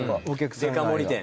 デカ盛り店